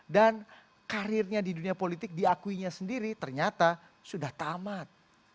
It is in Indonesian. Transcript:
dan karirnya di dunia politik diakuinya sendiri ternyata sudah tamat